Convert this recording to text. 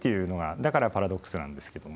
だからパラドックスなんですけども。